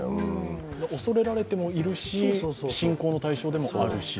おそれられてもいるし信仰の対象でもあるし。